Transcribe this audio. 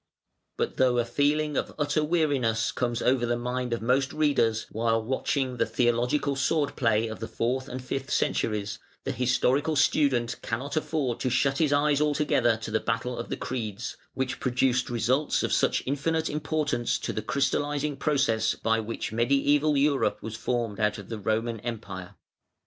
But though a feeling of utter weariness comes over the mind of most readers, while watching the theological sword play of the fourth and fifth centuries, the historical student cannot afford to shut his eyes altogether to the battle of the creeds, which produced results of such infinite importance to the crystallising process by which Mediæval Europe was formed out of the Roman Empire.